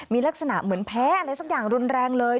มีลักษณะเหมือนแพ้อะไรสักอย่างรุนแรงเลย